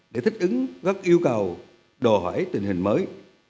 để thích ứng các yêu cầu đòi hỏi tình hình mới